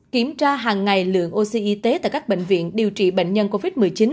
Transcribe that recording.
kiểm tra hàng ngày lượng oxy y tế tại các bệnh viện điều trị bệnh nhân covid một mươi chín